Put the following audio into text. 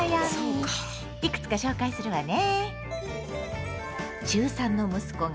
いくつか紹介するわね。